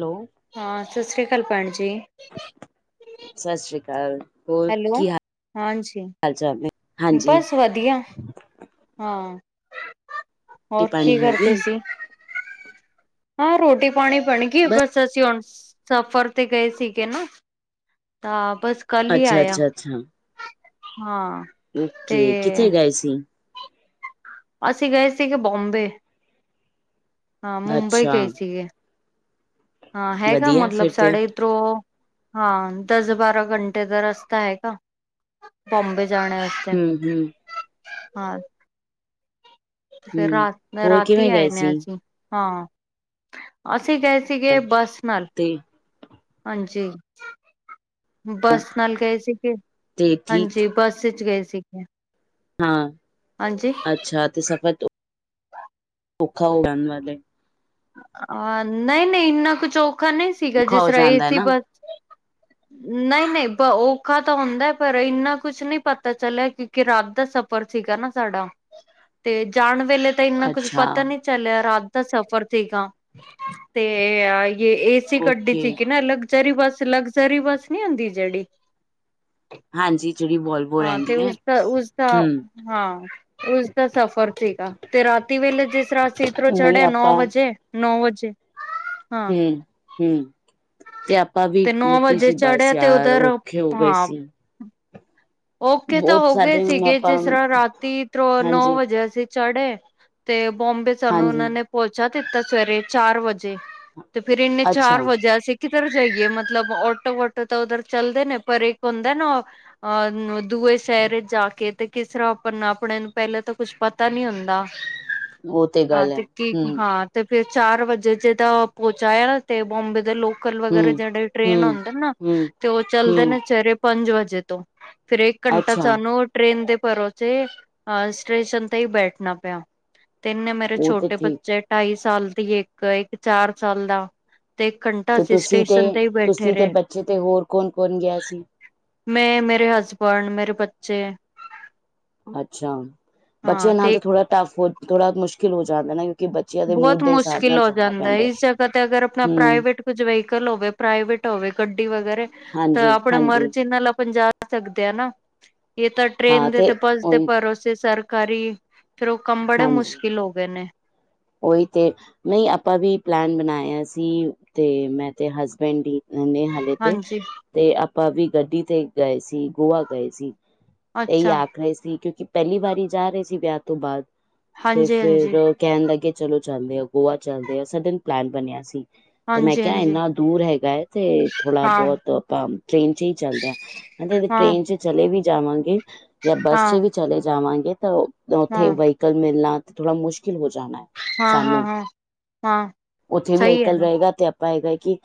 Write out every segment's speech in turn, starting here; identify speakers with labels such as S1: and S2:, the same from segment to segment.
S1: Hello
S2: ਹਾਂ, ਸਤਿ ਸ਼੍ਰੀ ਅਕਾਲ ਭੈਣ ਜੀ
S1: ਸਤਿ ਸ੍ਰੀ ਅਕਾਲ ਹੋਰ
S2: ਹੈਲੋ
S1: ਕੀ
S2: ਹਾਂਜੀ
S1: ਹਾਲ ਚਾਲ ਏ
S2: ਬਸ ਵਧੀਆ, ਹਾਂ,
S1: ਰੋਟੀ
S2: ਹੋਰ
S1: ਪਾਣੀ
S2: ਕੀ
S1: ਹੋ
S2: ਕਰਦੇ
S1: ਗਈ
S2: ਸੀ ਹਾਂ ਰੋਟੀ ਪਾਣੀ ਬਣ ਗਈ, ਬਸ ਅਸੀਂ ਹੁਣ ਸਫ਼ਰ ਤੇ ਗਏ ਸੀਗੇ ਨਾ। ਹਾਂ, ਬਸ ਕੱਲ ਹੀ
S1: ਅੱਛਾ
S2: ਆਇਆ ਆਂ,
S1: ਅੱਛਾ ਅੱਛਾ
S2: ਹਾਂ। ਤੇ
S1: ਓਕੇ ਕਿੱਥੇ ਗਏ ਸੀ।
S2: ਅਸੀਂ ਗਏ ਸੀਗੇ ਬੋਂਬੇ। ਹਾਂ ਮੁੰਬਈ
S1: ਅੱਛਾ
S2: ਗਏ ਸੀਗੇ। ਹਾਂ ਹੈਗਾ
S1: ਵਧੀਆ
S2: ਮਤਲਬ,
S1: ਫਿਰ ਤੇ
S2: ਸਾਡੇ ਅ। ਤਰੋ ਹਾ, ਦਸ ਬਾਰਾਂ ਘੰਟੇ ਦਾ ਰਸਤਾ ਹੈਗਾ। ਬੋਮਬੇ ਜਾਣੇ ਵਾਸਤੇ
S1: ਹੂੰ ਹੂੰ
S2: ਹਾਂ ਅ। ਤੇ ਫਿਰ
S1: ਹੂੰ
S2: ਰਾਤ, ਏ
S1: ਹੋਰ
S2: ਰਾਤੀ
S1: ਕਿਵੇਂ
S2: ਆਏ
S1: ਗਏ
S2: ਨੇ
S1: ਸੀ
S2: ਅਜ ਹੀ। ਹਾਂ, ਅਸੀਂ ਗਏ ਸੀਗੇ ਬੱਸ ਨਾਲ।
S1: ਤੇ
S2: ਹਾਂਜੀ ਬੱਸ ਨਾਲ ਗਏ ਸੀਗੇ,
S1: ਤੇ ਠੀਕ
S2: ਹਾਂਜੀ ਬੱਸ ਵਿੱਚ ਗਏ ਸੀਗੇ
S1: ਹਾਂ,
S2: ਹਾਂਜੀ
S1: ਅੱਛਾ ਤੇ ਸਫ਼ਰ ਓਖਾ, ਹੋਗਾਣ ਵਾਲੇ।
S2: ਅਹ, ਨਹੀਂ-ਨਹੀਂ ਇੰਨਾ ਕੁਝ ਔਖਾ ਨਹੀਂ ਸੀਗਾ,
S1: ਔਖਾ
S2: ਜਿਸ
S1: ਹੋ
S2: ਤਰ੍ਹਾਂ
S1: ਜਾਂਦਾ ਹੈ
S2: ਏਸੀ
S1: ਨਾ
S2: ਬੱਸ ਨਹੀਂ-ਨਹੀਂ, ਔਖਾ ਤਾਂ ਹੋਂਦਾ ਪਰ, ਇੰਨਾ ਕੁਛ ਨਹੀਂ ਪਤਾ ਚਲਿਆ ਕਿ ਕਿ ਰਾਤ ਦਾ ਸਫ਼ਰ ਸੀਗਾ ਨਾ ਸਾਡਾ, ਤੇ ਜਾਣ ਵੇਲੇ ਤਾ ਇੰਨਾ ਕੁਛ
S1: ਅੱਛਾ
S2: ਪਤਾ ਨਹੀਂ ਚੱਲਿਆ, ਰਾਤ ਦਾ ਸਫ਼ਰ ਸੀਗਾ। ਤੇ ਯੇ ਏਸੀ ਗਡੀ
S1: ਓਕੇ
S2: ਸੀਗੀ ਨਾ, ਲਗਜ਼ਰੀ ਬੱਸ, ਲਗਜ਼ਰੀ ਬੱਸ ਨੀ ਹੁੰਦੀ ਜਿਹੜੀ।
S1: ਹਾਂਜੀ ਜਿਹੜੀ ਵੋਲਵੋ
S2: ਹਾਂ, ਤੇ
S1: ਰਹਿੰਦੀ ਹੈ
S2: ਉਸਦਾ, ਉਸਦਾ
S1: ਹੂੰ
S2: ਹਾਂ। ਉਸਦਾ ਸਫ਼ਰ ਸੀਗਾ, ਤੇ ਰਾਤੀ ਵੇਲੇ ਜਿਸ ਰਾਤ ਇਧਰੋਂ
S1: ਨਹੀਂ
S2: ਚੜੇ ਨੌ
S1: ਆਪਾਂ
S2: ਵਜੇ ਤੇ, ਨੌ ਵਜੇ ਹਾਂ
S1: ਹੂੰ, ਹੂੰ। ਤੇ ਆਪਾ ਵੀ
S2: ਤੇ ਨੌ
S1: ਲਿੱਤੀ
S2: ਵਜੇ
S1: ਸੀ ਬਸ
S2: ਚੜ੍ਹਿਆ ਤੇ
S1: ਯਾਰ,
S2: ਉਧਰ
S1: ਔਖੇ ਹੋ ਗਏ ਸੀ।
S2: ਓਖੇ ਤਾਂ
S1: ਬਹੁਤ
S2: ਹੋਗੇ
S1: ਸਾਡੇ ਹੁਣ
S2: ਸੀਗੇ,
S1: ਆਪਾਂ
S2: ਜਿਸ ਰ ਤਰ੍ਹਾਂ ਰਾਤੀ ਤ, ਨੌ
S1: ਹਾਂਜੀ
S2: ਵਜੇ ਅਸੀ ਚੜ੍ਹੇ, ਤੇ ਬੋਂਬੇ ਸਾਨੂੰ
S1: ਹਾਂਜੀ
S2: ਉਹਨਾਂ ਨੇ ਪਹੁੰਚਾ ਦਿੱਤਾ, ਸਵੇਰੇ ਚਾਰ-ਵਜੇ। ਤੇ ਫਿਰ, ਇੰਨੇ
S1: ਅੱਛਾ
S2: ਚਾਰ ਵਜੇ ਅਸੀ ਕਿਧਰ ਜਾਈਏ ਮਤਲਬ, ਆਟੋ-ਵਾਟੋ ਤਾਂ ਉੱਧਰ ਚੱਲਦੇ ਨੇ ਪਰ ਇੱਕ ਹੁੰਦਾ ਨਾ, ਅਂ ਦੂਏ ਸ਼ਹਿਰ ਇੱਚ ਜਾਕੇ, ਤੇ ਕਿਸ ਰਹਾ ਤਰ੍ਹਾਂ ਆਪਨ, ਆਪਣੇ ਨੂੰ ਪਹਿਲਾਂ ਤਾਂ ਕੁਛ ਪਤਾ ਨੀ ਹੁੰਦਾ।
S1: ਉਹ
S2: ਹਾ,
S1: ਗੱਲ ਹੈ
S2: ਤੇ
S1: ਹੂੰ
S2: ਕੀ-ਕੀ, ਹਾ। ਤੇ ਫਿਰ ਚਾਰ ਵਜੇ ਜਦੋ ਪਹੁਚਾਯਾ ਨਾ, ਤੇ ਬੌਂਬੇ ਦੇ ਲੋਕ ਲੋਕਲ
S1: ਹੂੰ
S2: ਵਗੈਰਾ ਜਿਹੜੇ ਟ੍ਰੇਨ
S1: ਹੂੰ
S2: ਹੁੰਦੇਨ ਨਾ,
S1: ਹੂੰ
S2: ਤੇ ਉਹ ਚਲਦੇ
S1: ਹੂੰ
S2: ਨੇ ਸਵੇਰੇ ਪੰਜ ਵਜੇ ਤੋਂ। ਫਿਰ ਇੱਕ ਘੰਟਾ
S1: ਅੱਛਾ
S2: ਸਾਨੂੰ, ਟ੍ਰੇਨ ਦੇ ਭਰੋਸੇ ਅ ਸਟੇਸ਼ਨ ਤੇ ਹੀ ਬੈਠਣਾ ਪਿਆ। ਤੇ ਇੰਨੇ ਮੇਰੇ
S1: ਉਹ ਤੇ
S2: ਛੋਟੇ
S1: ਠੀਕ
S2: ਬੱਚੇ ਢਾਈ-ਸਾਲ ਦੀ ਏ ਇੱਕ, ਇੱਕ ਚਾਰ ਦਾ, ਤੇ ਇੱਕ ਘੰਟਾ
S1: ਤੇ
S2: ਅਸੀਂ
S1: ਤੁਸੀਂ
S2: ਸਟੇਸ਼ਨ
S1: ਤੇ,
S2: ਹੀ ਬੈਠੇ
S1: ਤੁਸੀਂ ਤੇ
S2: ਰਹੇ।
S1: ਬੱਚੇ ਤੇ ਹੋਰ ਕੌਣ-ਕੌਣ ਗਿਆ ਸੀ?
S2: 'ਮੈਂ' ਮੇਰੇ ਹਸਬੰਡ, ਮੇਰੇ ਬੱਚੇ।
S1: ਅੱਛਾ।
S2: ਹਾਂ
S1: ਬੱਚਿਆਂ ਨਾਲ
S2: ਤੇ
S1: ਤਾਂ ਥੋੜਾ ਟਫ, ਹੋ ਥੋੜਾ ਮੁਸ਼ਕਿਲ ਹੋ ਜਾਂਦਾ ਨਾ। ਬੱਚਿਆਂ ਦੇ
S2: ਬਹੁਤ
S1: ਮੂਡ ਦੇ ਹਿਸਾਬ
S2: ਮੁਸ਼ਕਿਲ
S1: ਨਾਲ
S2: ਹੋ
S1: ਚੱਲਣਾ
S2: ਜਾਂਦਾ।
S1: ਪੈਂਦਾ।
S2: ਇਸ ਜਗ੍ਹਾ ਤੇ, ਅਗਰ ਆਪਣਾ
S1: ਹੂੰ
S2: ਪ੍ਰਾਈਵੇਟ ਕੁੱਝ ਵਹੀਕਲ ਹੋਵੇ, ਪ੍ਰਾਈਵੇਟ ਹੋਵੇ, ਗੱਡੀ ਵਗੈਰਾ ਤਾਂ
S1: ਹਾਂਜੀ
S2: ਆਪਣੇ
S1: ਹਾਂਜੀ
S2: ਮਰਜੀ ਨਾਲ ਆਪਨ ਜਾ ਸਕਦੇ ਆਂ ਨਾ, ਇਹ ਤਾ
S1: ਹਾਂ
S2: ਟ੍ਰੇਨ ਦੇ, ਤੇ ਪਸਦੇ
S1: ਉਹੀ
S2: ਭਰੋਸੇ ਸਰਕਾਰੀ ਫਿਰ, ਉਹ ਕੰਮ ਬੜੇ ਮੁਸ਼ਕਿਲ ਹੋ ਗਏ ਨੇ।
S1: ਓਈ, ਤੇ ਨਹੀਂ ਆਪਾਂ ਵੀ ਪਲੈਨ ਬਣਾਇਆ ਸੀ ਤੇ, ''ਮੈਂ ਤੇ ਹਸਬੈਂਡ ਹੀ ਨੇ ਹਲ ਤੇਤੇ,
S2: ਹਾਂਜੀ
S1: ਤੇ ਆਪਾਂ ਵੀ ਗੱਡੀ ਤੇ ਗਏ ਸੀ, ਗੋਆ ਗਏ ਸੀ। ਇਹੀ
S2: ਅੱਛਾ
S1: ਆਖ ਰਹੇ ਸੀ, ਕਿਉਂਕਿ ਪਹਿਲੀ ਵਾਰੀ ਜਾ ਰਹੇ ਸੀ ਵਿਆਹ ਤੋ ਬਾਅਦ। ਤੇ ਫੇਰ
S2: ਹਾਂਜੀ-ਹਾਂਜੀ।
S1: ਕਹਿਣ ਲੱਗੇ, ਚਲੋ ਚੱਲਦੇ ਆ। ਗੋਆ ਚੱਲਦੇ ਆ ਸਡਨ ਪਲੈਨ ਬਣਿਆ ਸੀ। ਤੇ ਮੈਂ ਕਿਹਾ
S2: ਹਾਂਜੀ-ਹਾਂਜੀ
S1: ਇੰਨਾ ਦੂਰ ਹੈਗਾ ਹੈ, ਤੇ
S2: ਹਾਂ,
S1: ਥੋੜ੍ਹਾ-ਬਹੁਤ ਆਪਾ ਟ੍ਰੇਨ'ਚ ਹੀ ਚੱਲਦੇ ਹਾ। ਆਂਦੇ
S2: ਹਾਂ,
S1: ਟ੍ਰੇਨ'ਚ ਚਲੇ ਵੀ ਜਾਵਾਂਗੇ, ਯਾ ਬੱਸ'ਚ
S2: ਹਾਂ,
S1: ਵੀ ਚਲੇ ਜਾਵਾਂਗੇ, ਤਾਂ
S2: ਹਾਂ।
S1: ਉੱਥੇ ਵਾਹੀ ਕਲ ਮਿਲਣਾ, ਥੋੜਾ ਮੁਸ਼ਕਿਲ ਹੋ ਜਾਣਾ ਹੈ।
S2: ਹਾਂ,
S1: ਸਾਨੂੰ
S2: ਹਾਂ, ਹਾਂ, ਹਾਂ
S1: ਉੱਥੇ ਵੀ
S2: ਸਹੀ ਹੈ
S1: ਵ੍ਹਾਈਕਲ
S2: ਨਾ
S1: ਰਹੇਗਾ, ਤੇ ਆਪਾਂ ਹੈਗਾ ਹੈ ਕਿ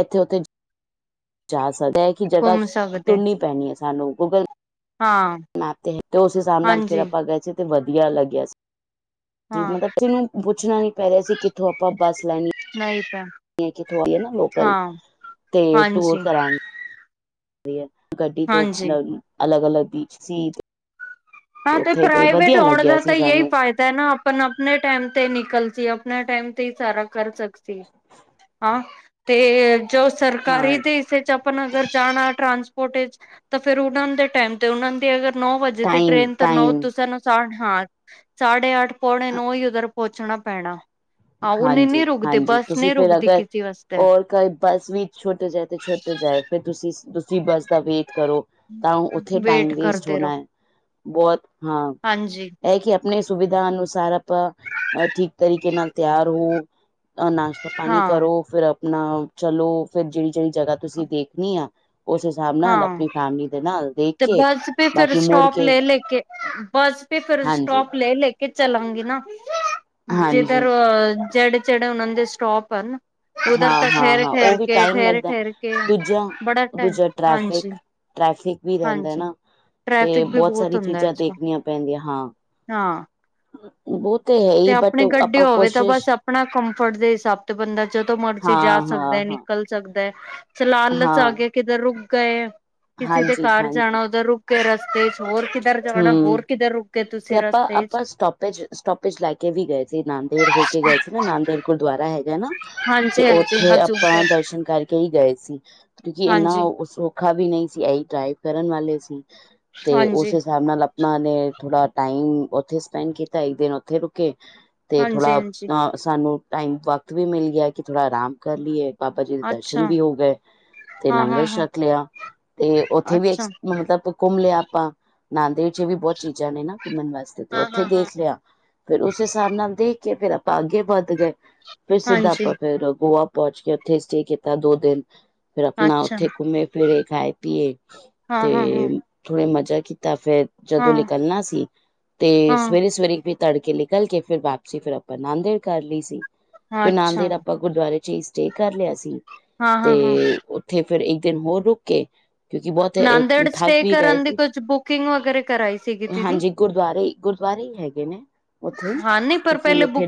S1: ਇੱਥੇ-ਉੱਥੇ ਜਾ ਸਕਦਾ ਐ, ਕਿ ਜਗ੍ਹਾ
S2: ਘੁੰਮ ਸਕਦੇ
S1: ਢੁੰਨੀ ਪੈਣੀ ਏ ਸਾਨੂੰ, ਗੂਗਲ
S2: ਹਾਂ।
S1: ਨਾ, ਤੇ ਉਸ ਹਿਸਾਬ ਨਾਲ ਫਿਰ
S2: ਹਾਂਜੀ।
S1: ਆਪਾ ਗਏ ਸੀ, ਤੇ ਵਧੀਆ ਲੱਗਿਆ ਸੀ।
S2: ਹਾਂ
S1: ਮਤਲਬ, ਕਿਨੂੰ ਪੁੱਛਣਾ ਨੀ ਪੈ ਰਿਹਾ ਸੀ, ਕਿੱਥੋਂ ਆਪਾਂ ਬੱਸ ਲੈਣੀ
S2: ਨਹੀਂ ਤਾ
S1: ਕਿ ਥੋੜੀ ਏ ਨਾ, ਲੋਕਲ। ਤੇ, ਟੂਰ
S2: ਹਾਂਜੀ,
S1: ਕਰਾਂਗੇ ਗੱਡੀ ਤੋਂ,
S2: ਹਾਂਜੀ।
S1: ਅਲੱਗ-ਅਲੱਗ ਦੀ ਸੀਟ
S2: ਹਾਂ ਤੇ, ਪ੍ਰਾਈਵੇਟ ਹੋਣ
S1: ਲੱਗਿਆ
S2: ਦਾ ਤਾਂ
S1: ਸੀ
S2: ਯੇਈ
S1: ਸਾਨੂੰ
S2: ਫਾਇ ਦਾ ਨਾ, ਆਪਾ-ਆਪਣੇ ਟਾਈਮ ਤੇ ਨਿਕਲ ਸੀ, ਆਪਣੇ ਟਾਈਮ ਤੇ ਹੀ ਸਾਰਾ ਕਰ ਸਕਸੀ। ਹਾਂ ਤੇ ਜੋ
S1: ਹਾਂ
S2: ਸਰਕਾਰੀ ਦੇ ਇਸੇ ਚ ਪ। ਆਪ ਅਗਰ ਜਾਣਾ ਟਰਾਂਸਪੋਰਟ ਵਿਚ ਤਾਂ ਫੇਰ ਉਹਨਾਂ ਦੇ ਟਾਈਮ ਤੇ ਉਹ ਦੀ ਅਗਰ ਨੌ ਵਜੇ ਤੇ।
S1: ਟਾਈਮ ਟਾਈਮ
S2: ਸੂੰ ਸਾ ਹਾਂ ਸਾਢੇ ਅੱਠ ਪੌਣੇ ਨੂੰ ਹੀ ਉੱਧਰ ਪਹੁੰਚਣਾ ਪੈਣਾ। ਹਾਂ ਉਹ
S1: ਹਾਂਜੀ
S2: ਨਹੀਂ ਰੁਕਦੀ
S1: ਹਾਂਜੀ
S2: ਬੱਸ
S1: ਤੁਸੀਂ
S2: ਨਹੀਂ
S1: ਫਿਰ
S2: ਰੁਕਦੀ
S1: ਅਗਰ
S2: ਕਿਸੇ ਵਾਸਤੇ।
S1: ਔਰ ਕੋਈ। ਬੱਸ ਵੀ ਛੁੱਟ ਜਾਏ ਤੇ ਛੁੱਟ ਜਾਏ ਫਿਰ ਤੁਸੀਂ-ਤੁਸੀਂ ਬੱਸ ਦਾ ਵੇਟ ਕਰੋ। ਤਾਂ ਉੱਥੇ ਟਾਈਮ
S2: ਵੇਟ
S1: ਵੇਸਟ
S2: ਕਰਦੇ ਰਹੋ
S1: ਹੋਣਾ ਹੈ ਬਹੁਤ ਹਾਂ
S2: ਹਾਂਜੀ
S1: ਅ। ਇਹ ਕਿ ਆਪਣੇ ਸੁਵਿਧਾ ਅਨੁਸਾਰ ਆਪਾਂ ਠੀਕ ਤਰੀਕੇ ਨਾਲ ਤਿਆਰ ਹੋੋ ਅ ਨਾਸ਼। ਪਾਣੀ
S2: ਹਾਂ
S1: ਕਰੋ ਫਿਰ ਆਪਣਾ ਚਲੋ ਫਿਰ ਜਿਹੜੀ ਜਿਹੜੀ ਜਗ੍ਹਾ ਤੁਸੀਂ ਦੇਖਣੀ ਆ ਉਸ ਹਿਸਾਬ ਨਾਲ
S2: ਹਾਂ
S1: ਆਪਣੀ ਫੈਮਿਲੀ ਦੇ ਨਾਲ ਦੇਖ
S2: ਤੇ
S1: ਕੇ
S2: ਬੱਸ ਪੇ ਫਿਰ
S1: ਬਾਕੀ ਮੁੜ
S2: ਸਟੋਪ
S1: ਕੇ
S2: ਲੈ ਲੈ ਕੇ ਬੱਸ ਪੇ ਫਿਰ
S1: ਹਾਂਜੀ
S2: ਸਟੋਪ ਲੈ ਲੈ ਕੇ ਚਲਾਂਗੀ ਨਾ ਜਿੱਧਰ
S1: ਹਾਂਜੀ
S2: ਜਿਹੜੇ ਜਿਹੜੇ ਉਹਨਾਂ ਦੇ ਸਟੋਪ ਨਾ ਉਧਰ
S1: ਹਾਂ
S2: ਤਾਂ
S1: ਹਾਂ
S2: ਠਹਿਰ
S1: ਹਾਂ
S2: ਠਹਿਰ
S1: ਉਹ ਵੀ
S2: ਕੇ
S1: ਟਾਈਮ
S2: ਠਹਿਰ
S1: ਲੱਗਦਾ
S2: ਠਹਿਰ ਕੇ
S1: ਦੂਜਾ
S2: ਬੜਾ
S1: ਦੂਜਾ
S2: ਹਾਂਜੀ
S1: ਟ੍ਰੈਫਿਕ ਟ੍ਰੈਫਿਕ ਵੀ ਰਹਿੰਦਾ
S2: ਹਾਂਜੀ
S1: ਨਾ ਤੇ
S2: ਟ੍ਰੈਫਿਕ ਵੀ
S1: ਬਹੁਤ ਸਾਰੀ
S2: ਹੁੰਦਾ
S1: ਚੀਜ਼ਾਂ
S2: ਅੱਜ ਕੱਲ
S1: ਦੇਖਣੀਆਂ ਪੈਂਦੀਆਂ ਹਾਂ
S2: ਹਾਂ
S1: ਉਹ ਤੇ ਹੈ ਹੀ ਬਟ
S2: ਆਪਣੇ ਗੱਡੀ
S1: ਆਪਾਂ
S2: ਹੋਵੇ ਤਾਂ
S1: ਕੋਸ਼ਿਸ਼
S2: ਬਸ ਆਪਣਾ ਕੰਫਰਟ ਦੇ ਹਿਸਾਬ ਤੇ ਬੰਦਾ ਜਦੋਂ ਮਰਜ਼ੀ ਜਾ
S1: ਹਾਂ ਹਾਂ
S2: ਸਕਦਾ
S1: ਹਾਂ
S2: ਨਿਕਲ ਸਕਦਾ ਚਲਾਲਚ ਆ
S1: ਹਾਂ
S2: ਗਿਆ ਕਿਧਰ ਰੁਕ ਗਏ ਕਿਸੇ ਦੇ
S1: ਹਾਂਜੀ
S2: ਘਰ
S1: ਹਾਂਜੀ
S2: ਜਾਣਾ ਉਧਰ ਰੁਕ ਰਸਤੇ ਚ ਹੋਰ ਕਿੱਧਰ ਜਾਣਾ
S1: ਹਮ
S2: ਹੋਰ ਕਿੱਧਰ ਰੁਕੇ
S1: ਤੇ
S2: ਤੁਸੀਂ
S1: ਆਪਾਂ
S2: ਰਸਤੇ ਚ
S1: ਆਪਾਂ ਸਟੋਪੇਜ ਸਟੋਪੇਜ ਲੈ ਕੇ ਵੀ ਗਏ ਸੀ ਨਨਦੇੜ ਹੋ ਕੇ ਗਏ ਸੀ ਨਾ ਨਾਨਦੇੜ ਗੁਰਦੁਆਰਾ ਹੈਗਾ ਨਾ ਤੇ
S2: ਹਾਂਜੀ ਹਾਂਜੀ
S1: ਉੱਥੇ
S2: ਹਜ਼ੂਰ
S1: ਆਪਾਂ
S2: ਸਾਹਿਬ
S1: ਦਰਸ਼ਨ ਕਰਕੇ ਕ ਹੀ ਗਏ ਸੀ ਕਿਉਂਕਿ ਇੰਨਾ
S2: ਹਾਂਜੀ
S1: ਸੌਖਾ ਵੀ ਨਹੀਂ ਸੀ ਇਹੀ ਡਰਾਈਵ ਕਰਨ ਵਾਲੇ ਸੀ ਤੇ ਉਸ
S2: ਹਾਂਜੀ
S1: ਹਿਸਾਬ ਨਾਲ ਆਪਾਂ ਨੇ ਥੋੜਾ ਟਾਈਮ ਉੱਥੇ ਸਪੈਂਡ ਕੀਤਾ ਇੱਕ ਦਿਨ ਉੱਥੇ ਰੁਕੇ ਤੇ
S2: ਹਾਂਜੀ
S1: ਥੋੜ੍ਹਾ
S2: ਹਾਂਜੀ
S1: ਅਹ ਸਾਨੂੰ ਟਾਈਮ ਵਕਤ ਵੀ ਮਿਲ ਗਿਆ ਕਿ ਥੋੜਾ ਆਰਾਮ ਕਰ ਲਈਏ ਬਾਬਾ ਜੀ ਦੇ ਦਰਸ਼ਨ
S2: ਅੱਛਾ
S1: ਵੀ ਹੋ ਗਏ ਤੇ
S2: ਹਾਂ ਹਾਂ
S1: ਲੰਗਰ
S2: ਹਾਂ
S1: ਛਕ ਲਿਆ ਤੇ ਉੱਥੇ ਵੀ
S2: ਅੱਛਾ
S1: ਮਤਲਬ ਘੁੰਮ ਲਿਆ ਆਪਾਂ ਨਾਂਦੇੜ ਚ ਇਹ ਵੀ ਬਹੁਤ ਚੀਜ਼ਾਂ ਨੇ ਨਾ ਘੁੰਮਣ ਵਾਸਤੇ ਤੇ
S2: ਹਾਂ
S1: ਉੱਥੇ
S2: ਹਾਂ ਹਾਂ
S1: ਦੇਖ ਲਿਆ ਫਿਰ ਉਸ ਹਿਸਾਬ ਨਾਲ ਦੇਖ ਕੇ ਫਿਰ ਆਪਾਂ ਅੱਗੇ ਵੱਧ ਗਏ ਫਿਰ ਸਿੱਧਾ
S2: ਹਾਂਜੀ
S1: ਆਪਾਂ ਫਿਰ ਗੋਆ ਪਹੁੰਚ ਕੇ ਉੱਥੇ ਸਟੇ ਕੀਤਾ ਦੋ ਦਿਨ ਫਿਰ ਆਪਣਾ
S2: ਅੱਛਾ
S1: ਉੱਥੇ ਘੁੰਮੇ ਫਿਰੇ ਖਾਏ ਪੀਏ
S2: ਹਾਂ
S1: ਤੇ
S2: ਹਾਂ ਹਾਂ
S1: ਥੋੜਾ ਮਜ਼ਾ ਤਾਂ ਫਿਰ
S2: ਹਾਂ
S1: ਜਦੋਂ ਨਿਕਲਣਾ ਸੀ ਤੇ ਸਵੇਰੇ
S2: ਹਾਂ
S1: ਸਵੇਰੇ ਤੜਕੇ ਨਿਕਲ ਕੇ ਫਿਰ ਵਾਪਸੀ ਫਿਰ ਆਪਾਂ ਨਾਂਦੜ ਕਰ ਲਈ ਸੀ ਫਿਰ
S2: ਅੱਛਾ
S1: ਨਾਦੇੜ ਆਪਾਂ ਗੁਰਦੁਆਰੇ ਚ ਹੀ ਸਟੇ ਕਰ ਲਿਆ ਸੀ
S2: ਹਾਂ
S1: ਤੇ
S2: ਹਾਂ ਹਾਂ
S1: ਉੱਥੇ ਫਿਰ ਇੱਕ ਦਿਨ ਹੋਰ ਰੁਕ ਕੇ ਕਿਉਂਕਿ ਬਹੁਤ
S2: ਨਾਦੜ ਸਟੇ
S1: ਥੱਕ ਵੀ
S2: ਕਰ
S1: ਗਏ
S2: ਦੀ
S1: ਸੀ
S2: ਕੁਛ ਬੁਕਿੰਗ ਵਗੈ ਕਰਾਈ ਸੀਗੀ ਦੀਦੀ
S1: ਹਾਂਜੀ ਗੁਰਦੁਆਰੇ ਗੁਰਦੁਆਰੇ ਹੀ ਹੈਗੇ ਨੇ ਉੱਥੇ ਤੁਸੀਂ ਉੱਥੇ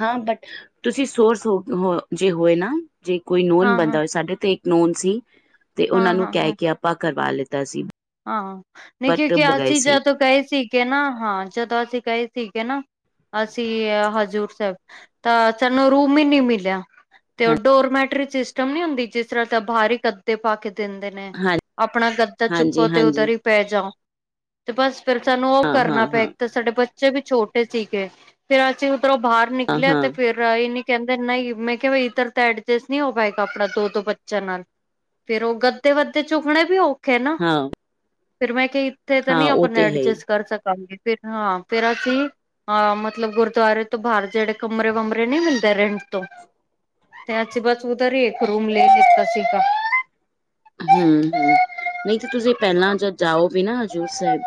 S1: ਹਾਂ ਬਟ ਤੁਸੀਂ ਸੋਰਸ ਹੋ ਜੇ ਹੋਏ ਨਾ ਜੇ ਕੋਈ ਨੋਨ ਬੰਦਾ ਹੋਵੇ ਸਾਡੇ ਤੇ ਨੋਨ ਸੀ। ਤੇ, ਉਹਨਾਂ ਨੂੰ ਕਹਿ ਕੇ ਆਪਾਂ ਕਰਵਾ ਲਿੱਤਾ ਸੀ।
S2: ਹਾਂ! ਨਹੀਂ
S1: ਬਟ
S2: ਕਿਉਂਕਿ
S1: ਗਏ
S2: ਆਸੀਂ
S1: ਸੀ
S2: ਜਦੋਂ ਗਏ ਸੀਗੇ ਨਾ, ਹਾਂ! ਜਦੋਂ ਅਸੀਂ ਗਏ ਸੀਗੇ ਨਾ, ਅਸੀਂ ਐ ਹਜ਼ੂਰ ਸਾਹਿਬ ਤਾਂ ਸਾਨੂੰ ਰੂਮ ਹੀ ਨੀ ਮਿਲਿਆ। ਤੇ ਉਹ ਡੋਰਮੈਟਰੀ ਸਿਸਟਮ ਨੀ ਹੁੰਦੀ। ਜਿਸ ਤਰ੍ਹਾਂ ਤੇ ਬਾਹਰੀ ਕੱਦੇ ਪਾ ਕੇ ਦਿੰਦੇ। ਨੇ।
S1: ਹਾਂ
S2: ਆਪਣਾ ਗੱਦਾ
S1: ਹਾਂਜੀ
S2: ਚੁੱਕੋ ਤੇ ਉਧਰ
S1: ਹਾਂਜੀ
S2: ਹੀ ਪੈ ਜਾਓ। ਤੇ ਬਸ, ਫਿਰ ਸਾਨੂੰ ਉਹ
S1: ਹਾਂ
S2: ਕਰਨਾ
S1: ਹਾਂ
S2: ਪਿਆ।
S1: ਹਾਂ
S2: ਇੱਕ ਤਾਂ ਸਾਡੇ ਬੱਚੇ ਵੀ ਛੋਟੇ ਸੀਗੇ, ਫੇਰ ਅਸੀਂ ਉੱਧਰੋਂ ਬਾਹਰ
S1: ਹਾਂ
S2: ਨਿਕਲਿਆ।
S1: ਹਾਂ
S2: ਤੇ, ਫੇਰ ਰਾਇ ਨ ਕਹਿੰਦੇ ਨਾਹੀਂ ਮੈਂ ਕਿਹਾ ਵੀ ਇਧਰ ਤਾਂ ਐਡਜਸਟ ਨਹੀ ਹੋ ਪਾਏਗਾ, ਆਪਣਾ ਦੋ-ਦੋ ਬੱਚਿਆਂ ਨਾਲ। ਫੇਰ ਉਹ ਗੱਦੇ ਵੱਦੇ ਚੁੱਕਣੇ ਵੀ ਔਖੇ ਆ ਨਾ।
S1: ਹਾਂ
S2: ਫਿਰ ਮੈਂ ਕਿਹਾ ਇੱਥੇ ਤਾਂ
S1: ਹਾਂ
S2: ਨਹੀਂ
S1: ਉਹ
S2: ਆਪਾਂ ਨੂੰ
S1: ਤੇ ਹੈ ਹੀ
S2: ਐਡਜਸਟ ਕਰ ਸਕਾਂਗੇ ਫਿਰ ਹਾਂ ਫਿਰ ਅਸੀਂ ਹਾਂ ਮਤਲਬ ਗੁਰਦੁਆਰੇ ਤੋਂ ਬਾਹਰ ਜਿਹੜੇ ਕਮਰੇ ਵਮਰੇ ਨਹੀਂ ਮਿਲਦੇ ਰੈਂਟ ਤੋਂ। ਤ ਅਸੀ ਬਸ ਉਧਾਰੀ ਇੱਕ ਰੂਮ ਲੇ ਲੀਤਾ ਸੀਗਾ।
S1: ਹਮ ਹਮ ਨਹੀਂ ਤੇ ਤੁਸੀਂ ਪਹਿਲਾਂ ਜ ਜਾਓ ਵੀ ਨਾ। ਹਜ਼ੂਰ ਸਾਹਿਬ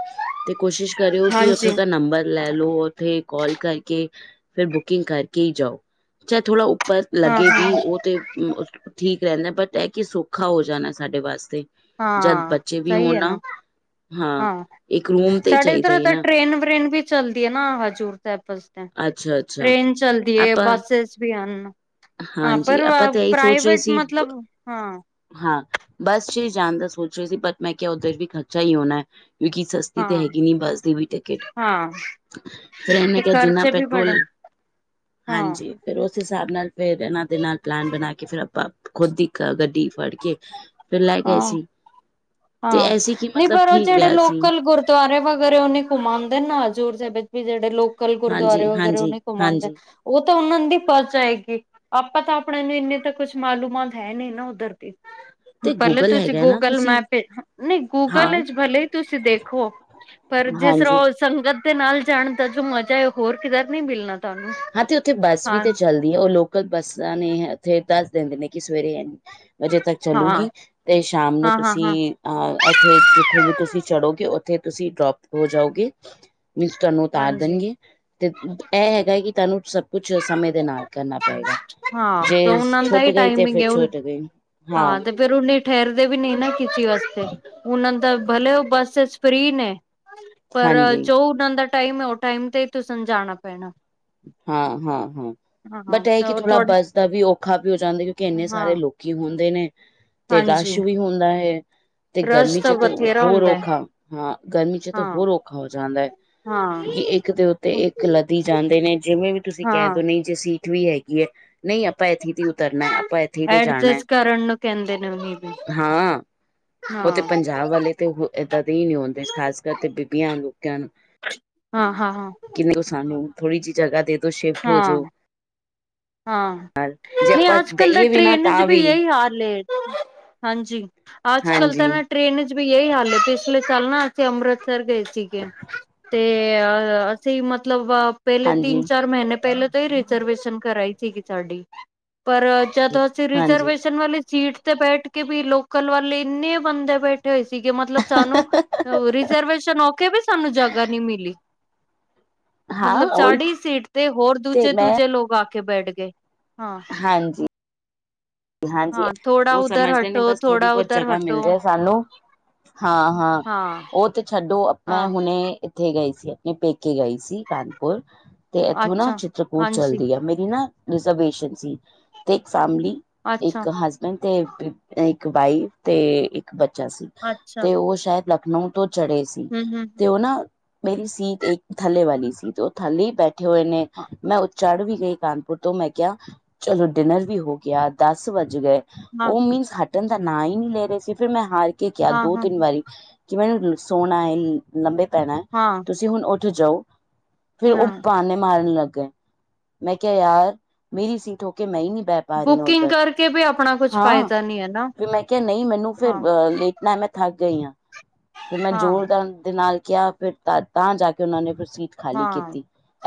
S1: ਤੇ ਕੋਸ਼ਿਸ਼ ਕਰਿਓ। ਕਿ
S2: ਹਾਂਜੀ
S1: ਉੱਥੋਂ ਦਾ ਨੰਬਰ ਲੈ ਲਓ। ਉੱਥੇ ਕਾਲ ਕਰਕੇ ਫਿਰ ਬੁਕਿੰਗ ਕਰਕੇ ਹੀ ਜਾਓ। ਚਾਹੇ ਥੋੜਾ ਪਰ
S2: ਹਾਂ
S1: ਲੱਗੇ ਵੀ
S2: ਹਾਂ
S1: ਉਹ ਤਾਂ ਠੀਕ ਰਹਿੰਦਾ। ਬਟ ਇਹ ਕਿ ਸੌਖਾ ਹੋ ਜਾਣਾ ਸਾਡੇ ਵਾਸਤੇ ਜਦ
S2: ਹਾਂ
S1: ਬੱਚੇ ਵੀ
S2: ਸਹੀ
S1: ਹੋਣ
S2: ਹੈ ਨਾਂ।
S1: ਨਾ
S2: ਹਾਂ
S1: ਇੱਕ ਰੂਮ ਤੇ ਹੀ
S2: ਸਾਡੇ
S1: ਚਾਹੀਦਾ
S2: ਇਧਰੋਂ
S1: ਹੈ
S2: ਤਾਂ
S1: ਨਾ
S2: ਟ੍ਰਰੇਨ -ਵਰੇਨ ਵੀ। ਚੱਲਦੀ ਨਾ ਹਜ਼ੂਰ ਟੈਪਸ ਤੇ
S1: ਅੱਛਾ ਅੱਛਾ
S2: ਟ੍ਰੇਨ ਚੱਲਦੀ ਹੈ
S1: ਆਪਾਂ
S2: ਬੱਸਿਸ ਵੀ ਹਨ। ਹਾਂ।
S1: ਹਾਂਜੀ
S2: ਪਰ
S1: ਆਪਾਂ
S2: ਵਾਂ
S1: ਤਾਂ ਇਹੀ ਸੋਚ ਰਹੇ
S2: ਪ੍ਰਾਈਵੇਟ
S1: ਸੀ
S2: ਮਤਲਬ ਹਾਂ।
S1: ਹਾਂ। ਬਸ 'ਚ ਹੀ ਜਾਣ ਦਾ ਸੋਚ ਰਹੇ ਸੀ। ਬਟ ਮੈਂ ਕਿਹਾ ਉਧਰ ਵੀ ਖਰਚਾ ਹੀ ਹੋਣਾ ਏ। ਵਿਕੀ ਸਸਤੀ ਤੇ ਹੈਗੀ ਨੀ ਬੱਸ ਦੀ ਵੀ ਟਿਕਟ।
S2: ਹਾਂ। ਆ
S1: ਫੇਰ ਇਹਨੇ ਕਿਹਾ ਜਿੰਨਾ ਪੈਟਰੋਲ। ਹਾਂਜੀ। ਫਿਰ ਉਸ ਹਿਸਾਬ ਨਾਲ ਫੇਰ ਇਹਨਾਂ ਦੇ ਨਾਲ ਪਲੈਨ ਬਣਾ ਕੇ। ਫੇਰ ਆਪਾਂ ਖੁਦ ਦੀ ਕ ਗੱਡੀ ਫੜ ਕੇ ਅ। ਫਿਰ ਲੈ ਗਏ ਸੀ। ਤੇ
S2: ਹਾਂ!
S1: ਐਸੀ ਕਿ
S2: ਨਹੀਂ
S1: ਮਤਲਬ
S2: ਪਰ ਉਹ
S1: ਠੀਕ
S2: ਜਿਹੜੇ
S1: ਰਿਹਾ ਸੀ
S2: ਲੋਕਲ ਗੁਰਦੁਆਰੇ ਵਗੈਰੇ। ਓਹ ਨੀ ਘੁਮਾਦੇ ਨਾ। ਹਜ਼ੂਰ ਸਾਹਿਬ ਜੇ। ਵੀ ਜਿਹੜੇ ਲੋਕਲ ਗੁਰਦੁਆਰੇ
S1: ਹਾਂਜੀ
S2: ਵਗੈਰੇ ਉਹ
S1: ਹਾਂਜੀ
S2: ਨੀ ਘੁਮਾਦੇ।
S1: ਹਾਂਜੀ
S2: ਉਹ ਤਾਂ ਉਹਨਾਂ ਦੀ ਪਚ ਆਏਗੀ। ਆਪਾਂ ਤਾਂ ਆਪਣੇ ਨੂੰ ਇੰਨੇ ਤਾਂ ਕੁਛ ਮਾਲੂਮਾਤ ਹੈ ਨੀ ਨਾ ਉੱਧਰ ਦੀ।
S1: ਤੇ
S2: ਪਹਿਲੇ
S1: ਗੂਗਲ
S2: ਤੁਸੀਂ
S1: ਹੈਗਾ ਨਾ
S2: ਗੂਗਲ
S1: ਤੁਸੀਂ
S2: ਮੈਪ। ਫਿਰ ਹ ਨਹੀਂ
S1: ਹਾਂ
S2: ਗੂਗਲ ਏਜ਼ ਭਲੇ ਹੀ ਤੁਸੀਂ ਦੇਖੋਂ। ਪਰ ਜਿਸ
S1: ਹਾਂਜੀ
S2: ਰੋਜ਼ ਸੰਗਤ ਦੇ ਨਾਲ ਜਾਣ ਦਾ ਜੋ ਮਜ਼ਾ ਐ। ਉਹ ਹੋਰ ਕਿਧਰ ਨੀ ਮਿਲਣਾ। ਤੁਹਾਨੂੰ
S1: ਹਾਂ! ਤੇ ਉੱਥੇ ਬੱਸ ਵੀ
S2: ਹਾਂ
S1: ਤੇ ਚੱਲਦੀ। ਆ। ਉਹ ਲੋਕਲ ਬੱਸਾਂ ਨੇ ਅ ਏਥੇ ਦੱਸ ਦਿੰਦੇ ਨੇ ਕਿ ਸਵੇਰੇ ਏਨ। ਵਜੇ ਤੱਕ
S2: ਹਾਂ
S1: ਚੱਲੂਗੀ।
S2: ਹਾਂ
S1: ਤੇ ਸ਼ਾਮ ਨੂੰ
S2: ਹਾਂ
S1: ਤੁਸੀਂ।
S2: ਹਾਂ
S1: ਅ ਇੱਥੇ ਜਿੱਥੇ ਵੀ ਤੁਸੀਂ ਚੜੋਗੇ। ਉੱਥੇ ਤੁਸੀਂ ਡਰੋਪ ਹੋ ਜਾਓਗੇ। ਮਿਸਟਰ ਨੂੰ ਉਤਾਰ
S2: ਹਾਂਜੀ
S1: ਦੇਣਗੇ ਤੇ ਦੇ ਐਹ। ਕੀ ਤੁਹਾਨੂੰ ਸਭ ਕੁਛ ਅ ਸਮੇਂ ਦੇ ਨਾਲ ਕਰਨਾ ਪਏਗਾ।
S2: ਹਾਂ!
S1: ਜੇ
S2: ਤੋਂ ਉਹਨਾਂ ਦਾ
S1: ਛੁੱਟ
S2: ਹੀ
S1: ਗਈ ਤੇ
S2: ਟਾਈਮਿੰਗ
S1: ਫਿਰ
S2: ਉ
S1: ਛੁੱਟ ਗਈ
S2: ਹਾਂ। ਫੇਰ ਉਹਨੇ ਠਹਿਰਦੇ ਵੀ ਨਹੀਂ ਨਾ ਕਿਸੇ ਵਾਸਤੇ। ਉਹਨਾਂ ਦਾ ਭਲੇ ਉਹ ਬੱਸ ਫਰੀ 'ਚ ਨੇ। ਪਰ ਅ
S1: ਹਾਂਜੀ
S2: ਜੋ ਉਹਨਾ ਦਾ ਟਾਈਮ ਹੈ। ਉਹ ਟਾਈਮ ਤੇ ਹੀ ਤੁਸਾਂ ਨੂੰ ਜਾਣਾ ਪੈਣਾ।
S1: ਹਾਂ-ਹਾਂ-ਹਾਂ।
S2: ਹਾਂ
S1: ਬਟ ਐਹ
S2: ਤਾਂ
S1: ਕਿ
S2: ਉਹ
S1: ਥੋੜਾ
S2: ਥੋੜੇ
S1: ਬੱਸ ਤਾਂ ਵੀ ਔਖਾ ਵੀ ਹੋ ਜਾਂਦਾ। ਕਿਉਂਕਿ ਇੰਨੇ
S2: ਹਾਂ
S1: ਸਾਰੇ ਲੋਕੀ ਹੁੰਦੇ ਨੇ। ਤੇ ਰਸ਼
S2: ਹਾਂਜੀ
S1: ਵੀ ਹੁੰਦਾ ਹੈ। ਤੇ
S2: ਰਸ਼
S1: ਗਰਮੀ
S2: ਤਾਂ
S1: 'ਚ ਤੇ ਔ
S2: ਬਥੇਰਾ
S1: ਹੋਰ
S2: ਹੁੰਦਾ ਹੈ।
S1: ਔਖਾ ਹਾਂ। ਗਰਮੀ 'ਚ ਤਾਂ
S2: ਹਾਂ
S1: ਹੋਰ ਔਖਾ ਹੋ ਜਾਂਦਾ ਏ। ਜੀ। ਇੱਕ ਦੇ ਉੱਤੇ
S2: ਹਾਂ
S1: ਇੱਕ ਲੱਧੀ ਜਾਂਦੇ ਨੇ। ਜਿਵੇਂ ਵੀ ਤੁਸੀਂ ਕਹਿ ਦੋ
S2: ਹਾਂ
S1: ਨਹੀਂ। ਜੇ ਸੀਟ ਵੀ ਹੈਗੀ ਐ ਨਹੀਂ। ਆਪਾਂ। ਇੱਥੇ ਤੇ ਉਤਰਨਾ ਐ। ਆਪਾਂ। ਇੱਥੇ ਤੇ ਜਾਣਾ ਐ।
S2: [inaudible] ਹਮ
S1: ਉਹ ਤੇ ਪੰਜਾਬ ਵਾਲੇ ਤੇ ਇੱਦਾਂ ਦੇ ਹੀ ਨਹੀਂ ਆਉਂਦੇ। ਖਾਸ ਕਰ ਤੇ ਬੀਬੀਆਂ ਲੋਕਿਆਂ ਨੂੰ।
S2: ਹਾਂ- ਹਾਂ -ਹਾਂ।
S1: ਥੋੜੀ ਜਿ ਜਗਾ ਦੇ ਤੋਂ ਸ਼ਿਫਟ ਹੋ
S2: ਹਾਂ
S1: ਜਾਓ।
S2: ਹਾਂ
S1: ਜੇ
S2: ਨਹੀਂ
S1: ਆਪਾਂ
S2: ਅੱਜ-ਕੱਲ ਤਾਂ
S1: ਦਈਏ ਵੀ ਨਾ
S2: ਟ੍ਰੇਨ ਚ
S1: ਤਾਂ
S2: ਵੀ ਇਹਹੀ ਹਲਾ ਹੈ ਹਾਂਜੀ। ਅੱਜ -ਕੱਲ ਤਾਂ
S1: ਹਾਂਜੀ
S2: ਨਾ ਟ੍ਰੇਨ ਚ ਵੀ ਇਹੀ ਹਾਲ ਹੈ। ਪਿਛਲੇ ਸਾਲ ਨਾ ਅਸੀਂ ਅੰਮ੍ਰਿਤਸਰ ਗਏ ਸੀਗੇ। ਤੇ ਅ ਅਸੀਂ ਮਤਲਬ। ਪਹਿਲੇ ਤਿੰਨ
S1: ਹਾਂਜੀ
S2: ਚਾਰ ਮਹੀਨੇ ਪਹਿਲੇ ਤੋਂ ਹੀ ਰਿਜਰਵੇਸ਼ਨ ਕਰਾਈ ਸੀਗੀ ਸਾਡੀ। ਪਰ ਜਦੋਂ ਅਸੀਂ
S1: ਹਾਂਜੀ
S2: ਰਿਜਰਵੇਸ਼ਨ ਵਾਲੀ ਸੀਟ ਤੇ ਬੈਠ ਕੇ ਵੀ ਲੋਕਲ ਵਾਲੇ ਇੰਨੇ ਬੰਦੇ ਬੈਠੇ। ਇਕਠੇ ਹੋਏ ਸੀਗੇ ਮਤਲਬ ਸਾਨੂੰ ਰਿਜਰਵੇਸ਼ਨ ਔਕੇ ਵੀ ਸਾਨੂੰ ਜਗ੍ਹਾ ਨੀ ਮਿਲੀ।
S1: ਹਾਂ
S2: ਮਤਲਬ
S1: ਉਹੀ
S2: ਸਾਡੀ ਹੀ ਸੀਟ ਤੇ ਹੋਰ
S1: ਤੇ
S2: ਦੂਜੇ-
S1: ਮੈਂ
S2: ਦੂਜੇ ਲੋਕ ਆ ਕੇ ਬੈਠ ਗਏ। ਹਾਂ
S1: ਹਾਂਜੀ। ਹਾਂਜੀ
S2: ਹਾਂ ਥੋੜਾ
S1: ਉਹ
S2: ਉਧਰ
S1: ਸਮਝਦੇ ਨੇ
S2: ਹਟੋ
S1: ਬਸ ਥੋੜ੍ਹੀ
S2: ਥੋੜਾ
S1: ਬਹੁਤ
S2: ਉਧਰ
S1: ਜਗ੍ਹਾ ਮਿਲ
S2: ਹਟੋ
S1: ਜਾਏ ਸਾਨੂੰ ਹਾਂ-ਹਾਂ
S2: ਹਾਂ
S1: ਉਹ ਤੇ ਛੱਡੋ ਅ ਮੈਂ
S2: ਹਾਂ
S1: ਹੁਣੇ ਇੱਥੇ ਗਏ ਸੀ। ਮੈ ਪੇਕੇ ਗਈ ਸੀ ਕਾਨਪੁਰ ਤੇ ਇਥੋਂ ਨਾ
S2: ਅੱਛਾ,
S1: ਚਿੱਤਰਕੂਟ
S2: ਹਾਂਜੀ,
S1: ਚੱਲਦੀ ਆ ਮੇਰੀ ਨਾ ਰਿਜੈਵੇਸ਼ਨ ਸੀ ਤੇ ਇੱਕ ਫੈਮਿਲੀ
S2: ਅੱਛਾ,
S1: ਇੱਕ ਹਸ ਬੈਂਡ ਤੇ ਬੀ ਇੱਕ ਵਾਈਫ ਤੇ ਇੱਕ ਬੱਚਾ ਸੀ
S2: ਅੱਛਾ,
S1: ਤੇ ਉਹ ਸ਼ਾਇਦ ਲ ਨੋ ਤੋਂ ਚੜ੍ਹੇ ਸੀ
S2: ਹੂੰ-ਹੂੰ,
S1: ਤੇ ਉਹ ਨਾ ਮੇਰੀ ਸੀਟ ਇੱਕ ਥੱਲੇ ਵਾਲੀ ਸੀ ਤੇ ਉਹ ਥੱਲੇ ਬੈਠ ਇਕੱਠੇ ਹੋਏ ਨੇ
S2: ਹਾਂ,
S1: ਮੈਂ ਉਹ ਚੜ੍ਹ ਵੀ ਗਈ ਕਾਨਪੁਰ ਤੋਂ ਮੈਂ ਕਿਹਾ ਚਲੋ ਡਿਨਰ ਵੀ ਹੋ ਗਿਆ। ਦਸ ਵੱਜ ਗਏ
S2: ਹਾਂ-ਹਾਂ,
S1: ਉਹ ਮੀਨਸ ਹਟਣ ਦਾ ਨਾਂ ਹੀ ਨਹੀਂ ਲੈ ਰਹੇ ਸੀ ਫਿਰ ਮੈਂ ਹਾਰ ਕੇ ਕਿਹਾ ਦੋ
S2: ਹਾਂ,
S1: ਤਿੰਨ ਵਾਰੀ ਕਿ ਮੈਨੂੰ ਨ ਸੋਣਾ ਹੈ ਅ ਲੰਮੇ ਪੈਣਾ ਐ
S2: ਹਾਂ।
S1: ਤੁਸੀਂ ਹੁਣ ਉਥੇ ਜਾਓ। ਫਿਰ ਉਹ
S2: ਹਾਂ।
S1: ਬਾਹਣੇ ਮਾਰਨ ਲੱਗ ਗਏ ਮੈਂ ਕਿਹਾ ਯਾਰ ਮੇਰੀ ਸੀਟ ਹੋ ਕੇ ਮੈਂ ਹੀ ਨਹੀਂ ਬਹਿ ਪਾ ਰਹੀ ਹਾਂ
S2: ਬੁਕਿੰਗ
S1: ਉੱਧਰ
S2: ਕਰਕੇ ਵੀ ਆਪਣਾ ਕੁਛ
S1: ਹਾਂ
S2: ਫਾਇਦਾ ਨੀ ਹੈ ਨਾ,
S1: ਫਿਰ ਮੈਂ ਕਿਹਾ ਨਹੀਂ ਮੈਨੂੰ ਫਿਰ
S2: ਹਾਂ,
S1: ਅ ਲੇਟ ਨਾ ਮੈਂ ਥੱਕ ਗਈ ਹਾਂ ਫਿਰ ਮੈਂ
S2: ਹਾਂ,
S1: ਜ਼ੋਰਦਾਰ ਦੇ ਨਾਲ ਕਿਹਾ ਫਿਰ ਤਾਂ-ਤਾਂ ਜਾ ਕੇ ਉਹਨਾਂ ਨੇ ਫਿਰ ਸੀਟ ਖਾਲੀ
S2: ਹਾਂ।
S1: ਕੀਤੀ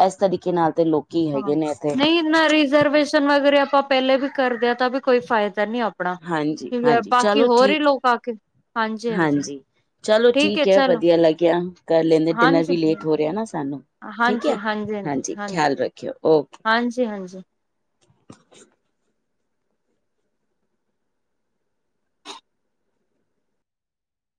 S1: ਇਸ ਤਰੀਕੇ ਨਾਲ ਤੇ ਲੋਕ
S2: ਹਾਂ ਨਹੀਂ ਨਾ ਰਿਜ਼ਰਵੇਸ਼ਨ ਵਗੈਰਾ ਆਪਾਂ ਪਹਿਲੇ ਵੀ ਕਰਦੇ ਹਾਂ ਤਾਂ ਵੀ ਕੋਈ ਫਾਇਦਾ ਨੀ ਆਪਾਂ ਆਪਣਾ
S1: ਹਾਂਜੀ
S2: ਕਿਉਂਕਿ
S1: ਹਾਂਜੀ
S2: ਬਾਕੀ
S1: ਚਲੋ
S2: ਹੋਰ ਹੀ
S1: ਠੀਕ
S2: ਲੋਕ ਆ ਕੇ ਹਾਂਜੀ-ਹਾਂਜੀ।
S1: ਹਾਂਜੀ ਚਲੋ ਠੀਕ ਹੈ ਵਧੀਆ ਲੱਗਿਆ ਕਰ ਲੈਣੇ ਡਿਨਰ
S2: ਹਾਂਜੀ,
S1: ਵੀ ਲੇਟ ਹੋ ਰਿਹਾ ਨਾ ਸਾਨੂੰ ਠੀਕ ਹੈ ਹਾਂਜੀ ਖਿਆਲ ਰੱਖਿਓ ਓਕੇ।
S2: ਹਾਂਜੀ, ਹਾਂਜੀ।